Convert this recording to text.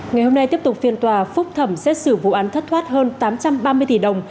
ngày hôm nay tiếp tục phiên tòa phúc thẩm xét xử vụ án thất thoát hơn tám trăm ba mươi tỷ đồng